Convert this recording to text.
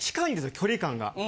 距離感が。